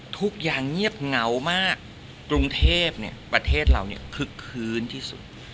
ทุกอย่างเงียบเหงามากกรุงเทพเนี่ยประเทศเราเนี่ยคึกคืนที่สุด